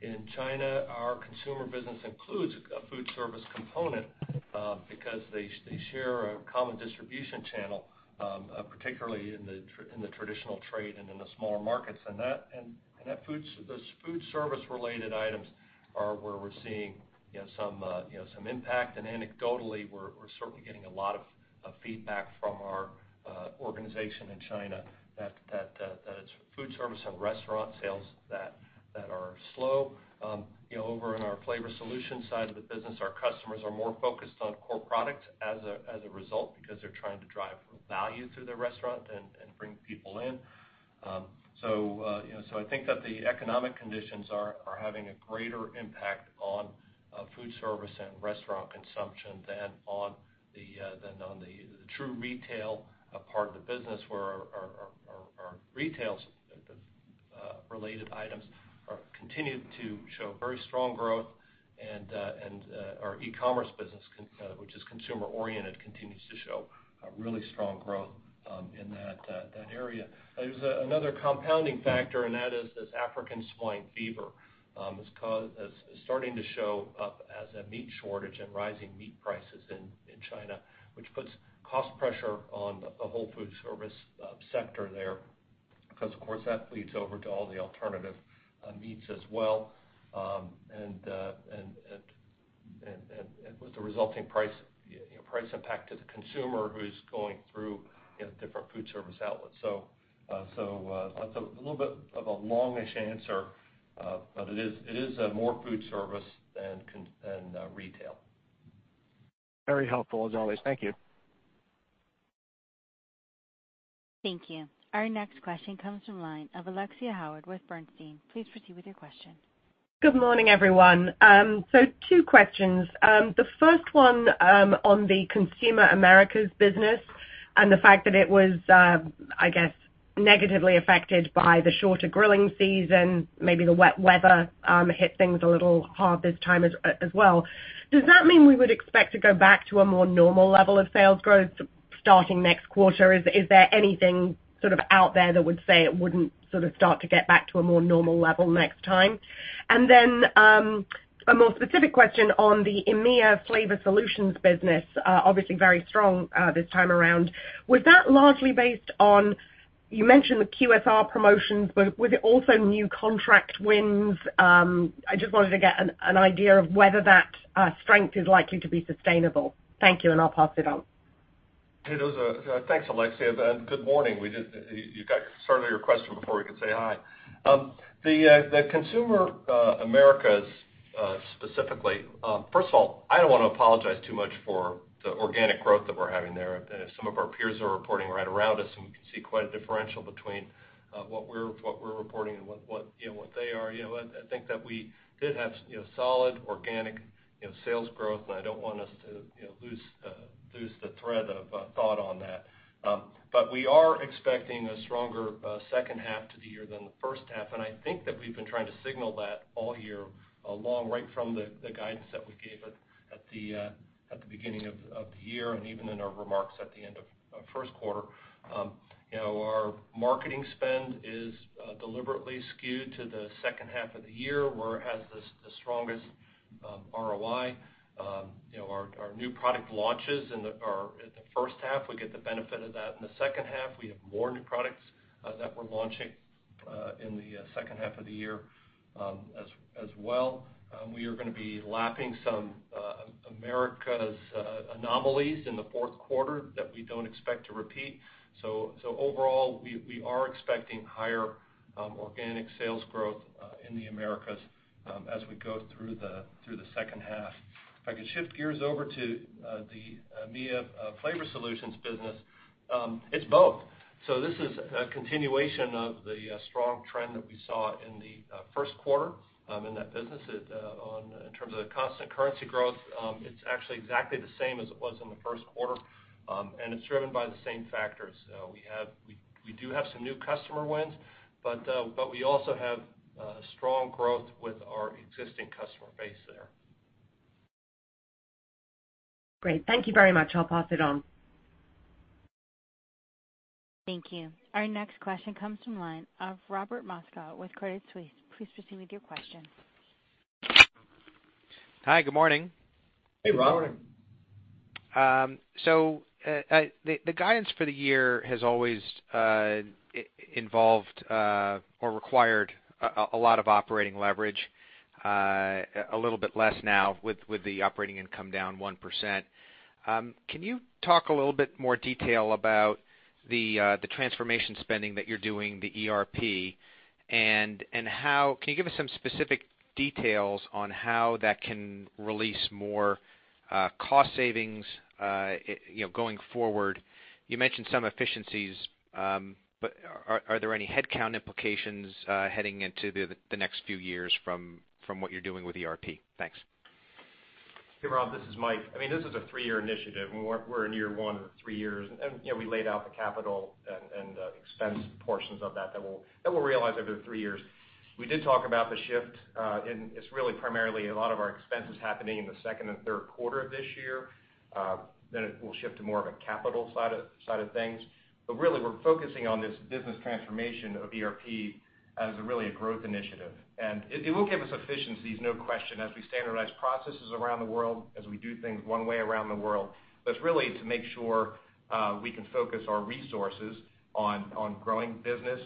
In China, our consumer business includes a food service component, because they share a common distribution channel, particularly in the traditional trade and in the smaller markets. Those food service related items are where we're seeing some impact. Anecdotally, we're certainly getting a lot of feedback from our organization in China that it's food service and restaurant sales that are slow. Over in our flavor solution side of the business, our customers are more focused on core products as a result, because they're trying to drive value to the restaurant and bring people in. I think that the economic conditions are having a greater impact on food service and restaurant consumption than on the true retail part of the business, where our retail related items continue to show very strong growth, and our e-commerce business, which is consumer oriented, continues to show really strong growth in that area. There's another compounding factor, and that is this African swine fever is starting to show up as a meat shortage and rising meat prices in China, which puts cost pressure on the whole food service sector there, because, of course, that bleeds over to all the alternative meats as well, and with the resulting price impact to the consumer who's going through different food service outlets. That's a little bit of a longish answer, but it is more food service than retail. Very helpful, as always. Thank you. Thank you. Our next question comes from the line of Alexia Howard with Bernstein. Please proceed with your question. Good morning, everyone. Two questions. The first one on the consumer Americas business and the fact that it was, I guess, negatively affected by the shorter grilling season, maybe the wet weather hit things a little hard this time as well. Does that mean we would expect to go back to a more normal level of sales growth starting next quarter? Is there anything sort of out there that would say it wouldn't sort of start to get back to a more normal level next time? Then, a more specific question on the EMEA Flavor Solutions business, obviously very strong this time around. Was that largely based on, you mentioned the QSR promotions, but was it also new contract wins? I just wanted to get an idea of whether that strength is likely to be sustainable. Thank you, and I'll pass it on. Thanks, Alexia. Good morning. You got started on your question before we could say hi. The consumer Americas. First of all, I don't want to apologize too much for the organic growth that we're having there. Some of our peers are reporting right around us, and we can see quite a differential between what we're reporting and what they are. I think that we did have solid organic sales growth, and I don't want us to lose the thread of thought on that. We are expecting a stronger second half to the year than the first half, and I think that we've been trying to signal that all year long, right from the guidance that we gave at the beginning of the year, and even in our remarks at the end of first quarter. Our marketing spend is deliberately skewed to the second half of the year, where it has the strongest ROI. Our new product launches in the first half, we get the benefit of that in the second half. We have more new products that we're launching in the second half of the year as well. We are going to be lapping some Americas anomalies in the fourth quarter that we don't expect to repeat. Overall, we are expecting higher organic sales growth in the Americas as we go through the second half. If I could shift gears over to the EMEA Flavor Solutions business, it's both. This is a continuation of the strong trend that we saw in the first quarter in that business. In terms of the constant currency growth, it's actually exactly the same as it was in the first quarter, and it's driven by the same factors. We do have some new customer wins, we also have strong growth with our existing customer base there. Great. Thank you very much. I'll pass it on. Thank you. Our next question comes from the line of Robert Moskow with Credit Suisse. Please proceed with your question. Hi, good morning. Hey, Robert. The guidance for the year has always involved or required a lot of operating leverage, a little bit less now with the operating income down 1%. Can you talk a little bit more detail about the transformation spending that you're doing, the ERP, and can you give us some specific details on how that can release more cost savings going forward? You mentioned some efficiencies, but are there any headcount implications heading into the next few years from what you're doing with ERP? Thanks. Hey, Rob, this is Mike. This is a three-year initiative. We're in year one of three years. We laid out the capital and the expense portions of that will realize over the three years. We did talk about the shift. It's really primarily a lot of our expenses happening in the second and third quarter of this year. It will shift to more of a capital side of things. Really, we're focusing on this business transformation of ERP as really a growth initiative. It will give us efficiencies, no question, as we standardize processes around the world, as we do things one way around the world. It's really to make sure we can focus our resources on growing business,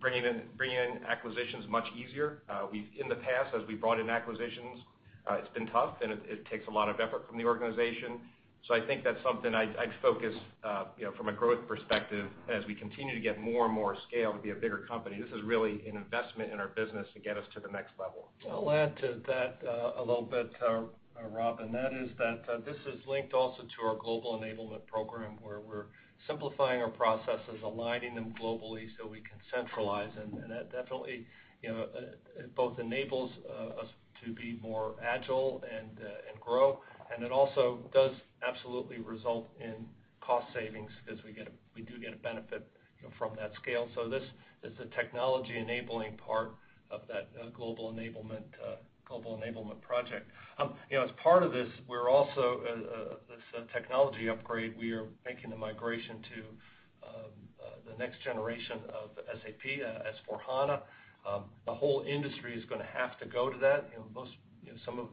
bringing in acquisitions much easier. In the past, as we brought in acquisitions, it's been tough and it takes a lot of effort from the organization. I think that's something I'd focus, from a growth perspective, as we continue to get more and more scale to be a bigger company. This is really an investment in our business to get us to the next level. I'll add to that a little bit, Rob, and that is that this is linked also to our Global Enablement program where we're simplifying our processes, aligning them globally so we can centralize and that definitely both enables us to be more agile and grow. It also does absolutely result in cost savings because we do get a benefit from that scale. This is the technology enabling part of that Global Enablement project. As part of this technology upgrade, we are making the migration to the next generation of SAP S/4HANA. The whole industry is going to have to go to that. Some of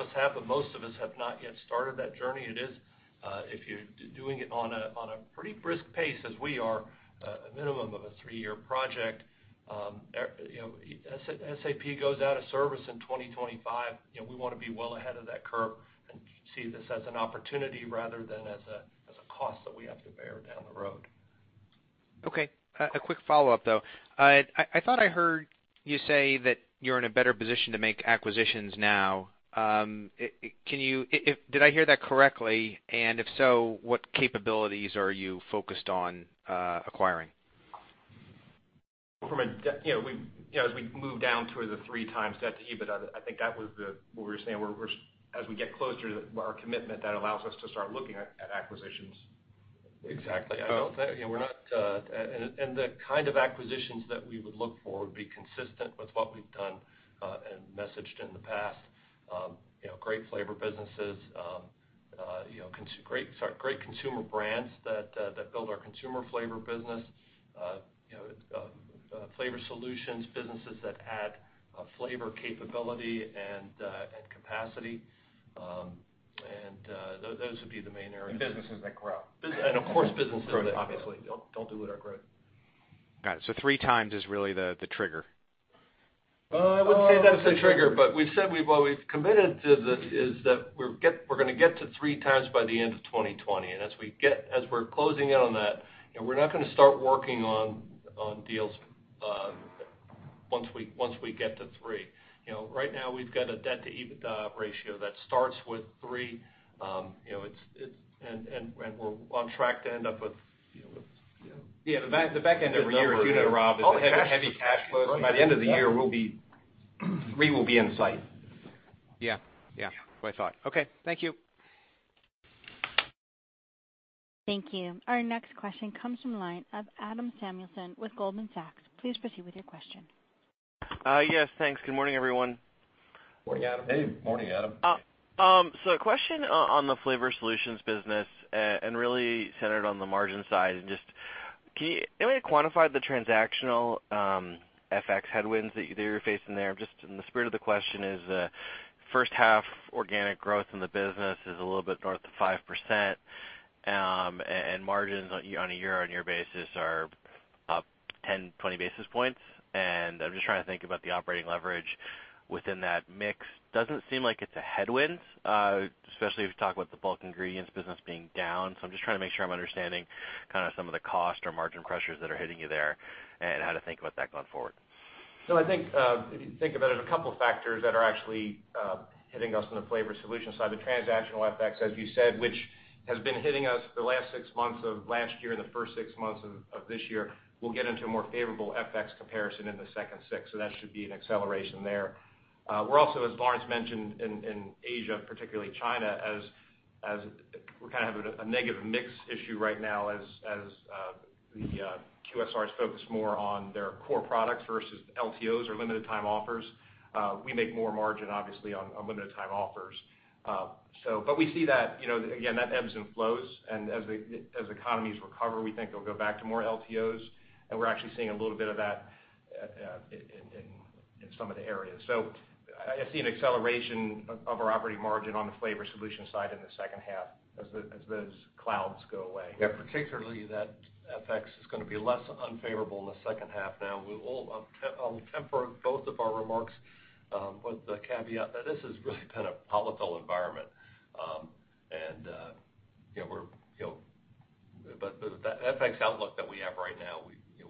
us have, most of us have not yet started that journey. If you're doing it on a pretty brisk pace as we are, a minimum of a three-year project. SAP goes out of service in 2025. We want to be well ahead of that curve and see this as an opportunity rather than as a cost that we have to bear down the road. Okay. A quick follow-up, though. I thought I heard you say that you're in a better position to make acquisitions now. Did I hear that correctly? If so, what capabilities are you focused on acquiring? As we move down toward the 3x debt to EBITDA, I think that was what we were saying, as we get closer to our commitment, that allows us to start looking at acquisitions. Exactly. The kind of acquisitions that we would look for would be consistent with what we've done and messaged in the past. Great consumer brands that build our consumer flavor business. Flavor solutions businesses that add flavor capability and capacity. Those would be the main areas. Businesses that grow. Of course, businesses that obviously don't do with our growth. Got it. Three times is really the trigger. Well, I wouldn't say that's the trigger, but we've committed to this is that we're going to get to 3x by the end of 2020. As we're closing in on that, we're not going to start working on deals once we get to three. Right now, we've got a debt to EBITDA ratio that starts with three, we're on track to end up with. Yeah, the back end of the year, as you know, Rob, is a heavy cash flow. By the end of the year, three will be in sight. Yeah. That's what I thought. Okay, thank you. Thank you. Our next question comes from the line of Adam Samuelson with Goldman Sachs. Please proceed with your question. Yes, thanks. Good morning, everyone. Morning, Adam. Hey. Morning, Adam. A question on the Flavor Solutions business and really centered on the margin side. Just, can you quantify the transactional FX headwinds that you're facing there? Just in the spirit of the question is, first half organic growth in the business is a little bit north of 5%, and margins on a year-on-year basis are up 10, 20 basis points. I'm just trying to think about the operating leverage within that mix. Doesn't seem like it's a headwind, especially if you talk about the bulk ingredients business being down. I'm just trying to make sure I'm understanding some of the cost or margin pressures that are hitting you there and how to think about that going forward. I think if you think about it, a couple of factors that are actually hitting us on the Flavor Solutions side, the transactional FX, as you said, which has been hitting us the last six months of last year and the first six months of this year, we'll get into a more favorable FX comparison in the second six. That should be an acceleration there. We're also, as Lawrence mentioned, in Asia, particularly China, as we kind of have a negative mix issue right now as the QSRs focus more on their core products versus LTOs or limited time offers. We make more margin, obviously, on limited time offers. We see that, again, that ebbs and flows, and as economies recover, we think they'll go back to more LTOs. We're actually seeing a little bit of that in some of the areas. I see an acceleration of our operating margin on the Flavor Solutions side in the second half as those clouds go away. Yeah, particularly that FX is going to be less unfavorable in the second half now. I'll temper both of our remarks with the caveat that this has really been a volatile environment. With that FX outlook that we have right now,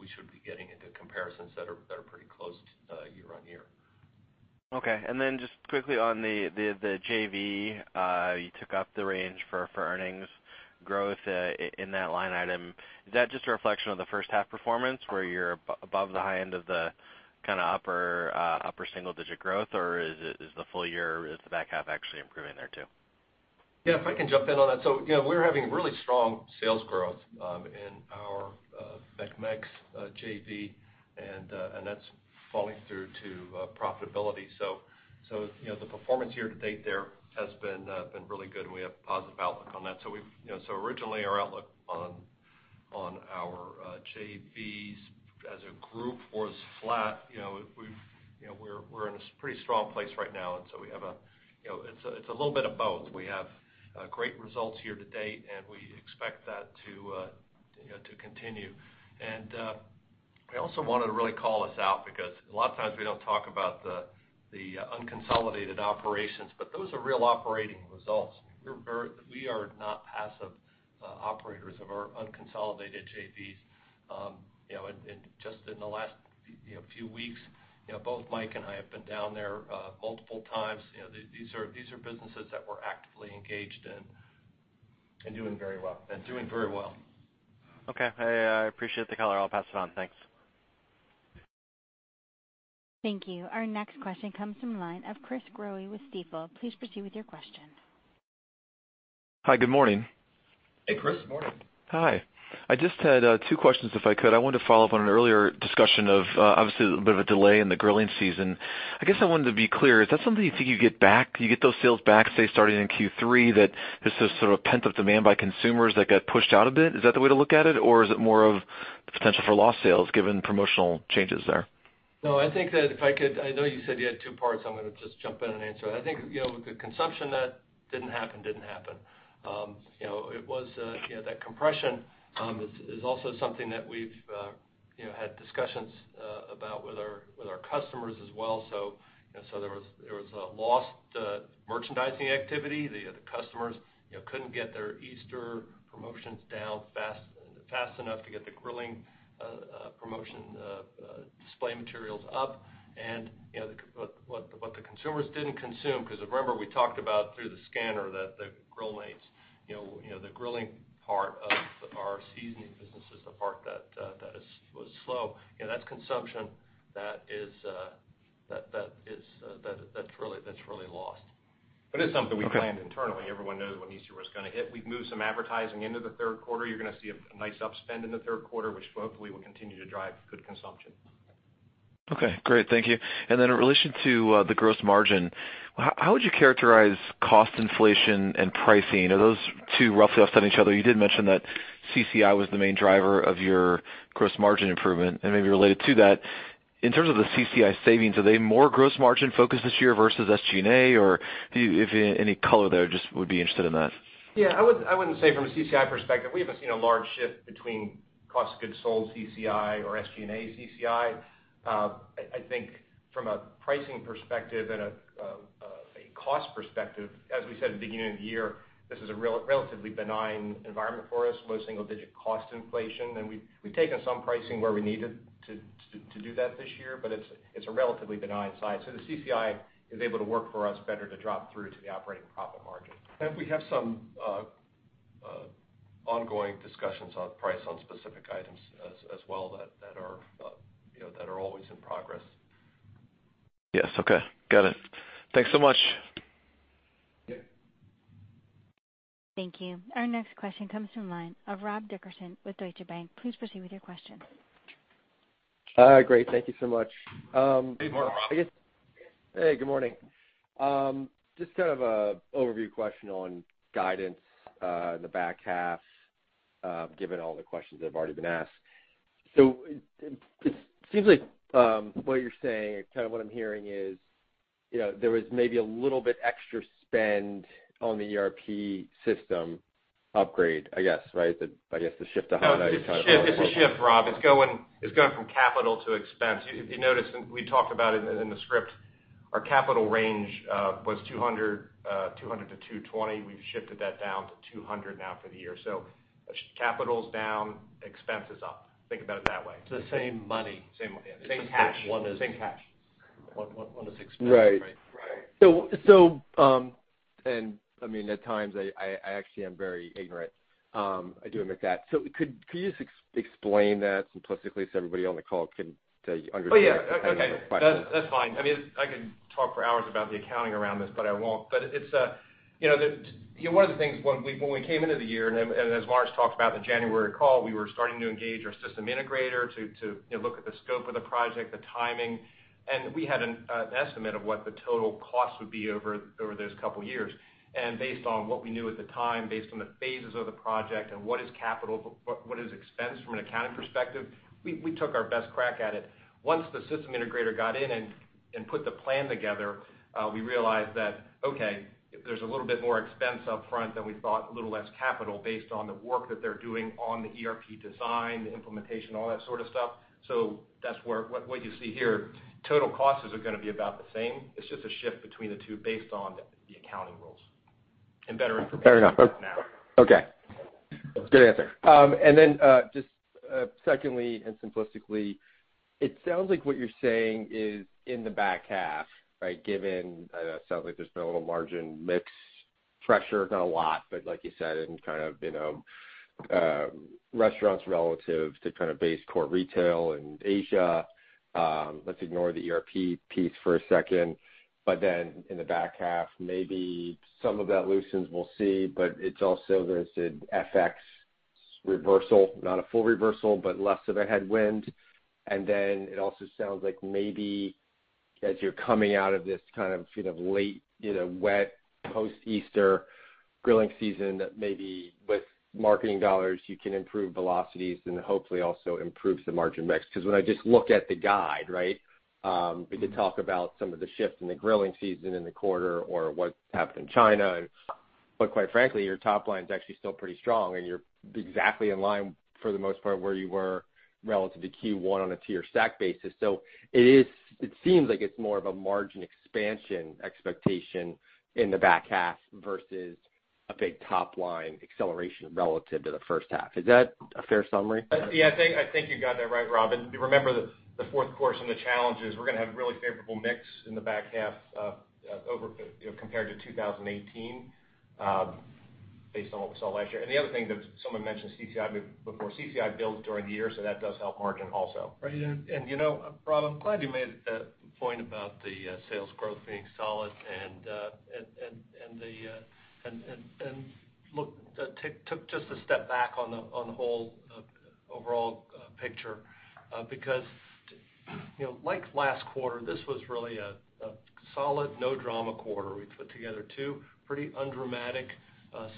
we should be getting into comparisons that are pretty close to year-on-year. Okay. Just quickly on the JV, you took up the range for earnings growth in that line item. Is that just a reflection of the first half performance where you're above the high end of the upper single-digit growth, or is the full year, is the back half actually improving there too? Yeah, if I can jump in on that. We're having really strong sales growth in our McMex JV, and that's falling through to profitability. The performance year-to-date there has been really good, and we have a positive outlook on that. Originally our outlook on our JVs as a group was flat. We're in a pretty strong place right now, it's a little bit of both. We have great results here-to-date, and we expect that to continue. I also wanted to really call this out because a lot of times we don't talk about the unconsolidated operations, but those are real operating results. We are not passive operators of our unconsolidated JVs. Just in the last few weeks, both Mike and I have been down there multiple times. These are businesses that we're actively engaged in and doing very well. Okay. I appreciate the color. I'll pass it on. Thanks. Thank you. Our next question comes from line of Chris Growe with Stifel. Please proceed with your question. Hi. Good morning. Hey, Chris. Morning. Hi. I just had two questions if I could. I wanted to follow-up on an earlier discussion of, obviously, a bit of a delay in the grilling season. I guess I wanted to be clear, is that something you think you get back, you get those sales back, say, starting in Q3, that this is sort of pent-up demand by consumers that got pushed out a bit? Is that the way to look at it, or is it more of potential for lost sales given promotional changes there? No, I think that if I could, I know you said you had two parts, I'm going to just jump in and answer it. I think, with the consumption that didn't happen, didn't happen. That compression is also something that we've had discussions about with our customers as well. There was a lost merchandising activity. The customers couldn't get their Easter promotions down fast enough to get the grilling promotion display materials up. What the consumers didn't consume, because remember, we talked about through the scanner that the Grill Mates, the grilling part of our seasoning business is the part that was slow. That's consumption that's really lost. It's something we planned internally. Everyone knows when Easter was going to hit. We've moved some advertising into the third quarter. You're going to see a nice upspend in the third quarter, which hopefully will continue to drive good consumption. Okay. Great. Thank you. In relation to the gross margin, how would you characterize cost inflation and pricing? Are those two roughly offsetting each other? You did mention that CCI was the main driver of your gross margin improvement. Maybe related to that, in terms of the CCI savings, are they more gross margin focused this year versus SG&A, or if you have any color there, just would be interested in that. Yeah, I wouldn't say from a CCI perspective, we haven't seen a large shift between cost of goods sold CCI or SG&A CCI. I think from a pricing perspective and a cost perspective, as we said at the beginning of the year, this is a relatively benign environment for us, low single-digit cost inflation. We've taken some pricing where we needed to do that this year, but it's a relatively benign side. The CCI is able to work for us better to drop through to the operating profit margin. We have some ongoing discussions on price on specific items as well that are always in progress. Yes. Okay. Got it. Thanks so much. Yeah. Thank you. Our next question comes from line of Rob Dickerson with Deutsche Bank. Please proceed with your question. Great. Thank you so much. Good morning, Rob. Hey, good morning. Just kind of a overview question on guidance in the back half, given all the questions that have already been asked. It seems like what you're saying, kind of what I'm hearing is, there was maybe a little bit extra spend on the ERP system upgrade, I guess, right? I guess the shift to how you're kind of- No, it's a shift, Rob. It's going from capital to expense. If you notice, and we talked about it in the script, our capital range, was 200-220. We've shifted that down to 200 now for the year. Capital's down, expense is up. Think about it that way. It's the same money. Same money. Same cash. One. Same cash. One is expense. Right. I mean, at times, I actually am very ignorant. I do admit that. Could you just explain that simplistically so everybody on the call can understand the question? Oh, yeah. Okay. Good. I could talk for hours about the accounting around this, but I won't. One of the things when we came into the year, as Lawrence talked about in the January call, we were starting to engage our system integrator to look at the scope of the project, the timing. We had an estimate of what the total cost would be over those couple years. Based on what we knew at the time, based on the phases of the project and what is capital, what is expense from an accounting perspective, we took our best crack at it. Once the system integrator got in and put the plan together, we realized that, okay, there's a little bit more expense up front than we thought, a little less capital based on the work that they're doing on the ERP design, the implementation, all that sort of stuff. That's what you see here. Total costs are going to be about the same. It's just a shift between the two based on the accounting rules and better information now. Fair enough. Okay. Good answer. Just secondly and simplistically, it sounds like what you're saying is in the back half, given that sounds like there's been a little margin mix pressure, not a lot, but like you said, in restaurants relative to base core retail and Asia. Let's ignore the ERP piece for a second. In the back half, maybe some of that loosens, we'll see, but it's also there's an FX reversal, not a full reversal, but less of a headwind. It also sounds like maybe as you're coming out of this late, wet post-Easter grilling season, that maybe with marketing dollars, you can improve velocities and hopefully also improves the margin mix. Because when I just look at the guide, we could talk about some of the shifts in the grilling season, in the quarter or what happened in China. Quite frankly, your top line's actually still pretty strong, and you're exactly in line for the most part, where you were relative to Q1 on a tier stack basis. It seems like it's more of a margin expansion expectation in the back half versus a big top-line acceleration relative to the first half. Is that a fair summary? I think you got that right, Rob. Remember, the fourth quarter and the challenges, we're going to have really favorable mix in the back half compared to 2018, based on what we saw last year. The other thing that someone mentioned CCI before. CCI builds during the year, so that does help margin also. Right. Rob, I'm glad you made a point about the sales growth being solid and took just a step back on the whole overall picture, because like last quarter, this was really a solid no drama quarter. We put together two pretty undramatic,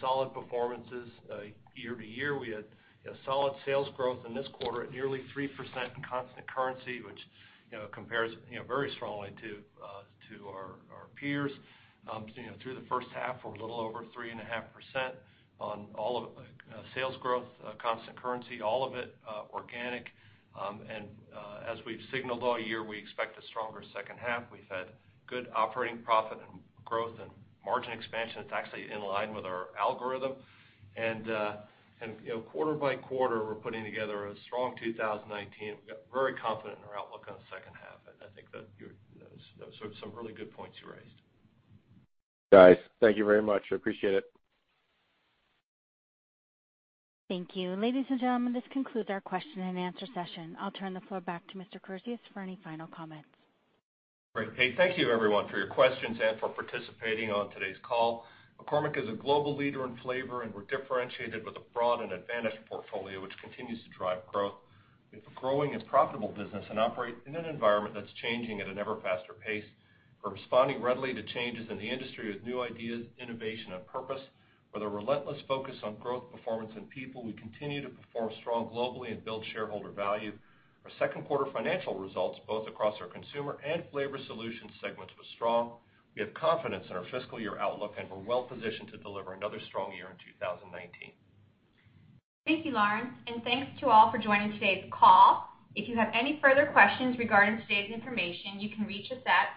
solid performances year-to-year. We had solid sales growth in this quarter at nearly 3% in constant currency, which compares very strongly to our peers. Through the first half, we're a little over 3.5% on all of sales growth, constant currency, all of it organic. As we've signaled all year, we expect a stronger second half. We've had good operating profit and growth and margin expansion that's actually in line with our algorithm. Quarter by quarter, we're putting together a strong 2019. We got very confident in our outlook on the second half. I think those are some really good points you raised. Guys, thank you very much. I appreciate it. Thank you. Ladies and gentlemen, this concludes our question-and-answer session. I'll turn the floor back to Mr. Kurzius for any final comments. Great. Hey, thank you everyone for your questions and for participating on today's call. McCormick is a global leader in flavor, and we're differentiated with a broad and advantaged portfolio, which continues to drive growth. It's a growing and profitable business and operates in an environment that's changing at an ever faster pace. We're responding readily to changes in the industry with new ideas, innovation and purpose. With a relentless focus on growth, performance, and people, we continue to perform strong globally and build shareholder value. Our second quarter financial results, both across our Consumer and Flavor Solutions segments, was strong. We have confidence in our fiscal year outlook, and we're well positioned to deliver another strong year in 2019. Thank you, Lawrence, and thanks to all for joining today's call. If you have any further questions regarding today's information, you can reach us at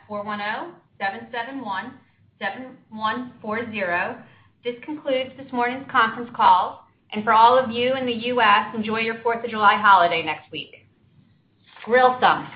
410-771-7140. This concludes this morning's conference call, and for all of you in the U.S., enjoy your Fourth of July holiday next week. Grill some.